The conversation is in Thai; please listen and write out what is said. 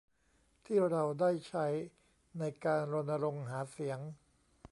ที่เราได้ใช้ในการรณรงค์หาเสียง